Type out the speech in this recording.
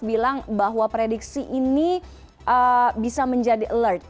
bilang bahwa prediksi ini bisa menjadi alert